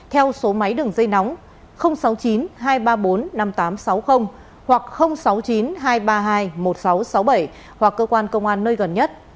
theo số máy đường dây nóng sáu mươi chín hai trăm ba mươi bốn năm nghìn tám trăm sáu mươi hoặc sáu mươi chín hai trăm ba mươi hai một nghìn sáu trăm sáu mươi bảy hoặc cơ quan công an nơi gần nhất